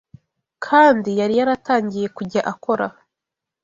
kandi yari yaratangiye kujya akora